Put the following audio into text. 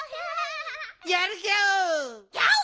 やるギャオ。